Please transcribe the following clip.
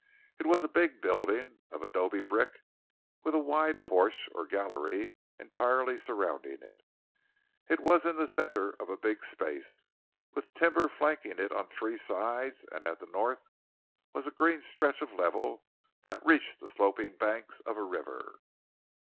It was a big building, of adobe brick, with a wide porch—or gallery—entirely surrounding it. It was in the center of a big space, with timber flanking it on three sides, and at the north was a green stretch of level that reached to the sloping banks of a river.